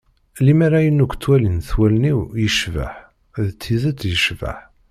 Limmer ayen akk ttwalint wallen-iw yecbeḥ d tidet yecbeḥ.